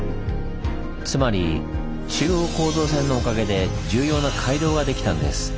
つまり中央構造線のおかげで重要な街道ができたんです。